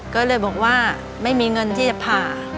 ก็เลยบอกว่าไม่มีเงินที่จะผ่า